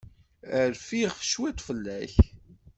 Rfiɣ cwiṭ fell-ak.